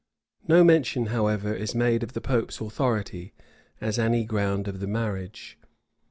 No mention, however, is made of the pope's authority, as any ground of the marriage.